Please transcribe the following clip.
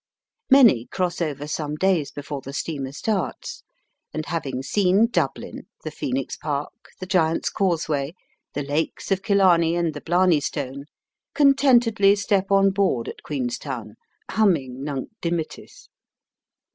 Many cross over some days before the steamer starts, and having seen Dublin, the Phoenix Park, the Giant's Causeway, the Lakes of Killamey, and the Blarney Stone, contentedly step on board at Queenstown humming *^ Nunc Dimittis."